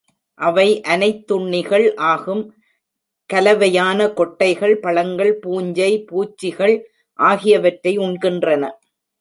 அவை அனைத்துண்ணிகள் ஆகும், கலவையான கொட்டைகள், பழங்கள், பூஞ்சை, பூச்சிகள் ஆகியவற்றை உண்கின்றன.